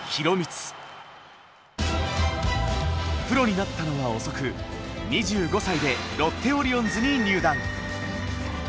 プロになったのは遅く２５歳でロッテオリオンズに入団。